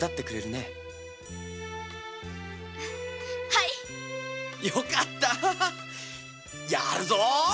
ハイッよかったやるぞ！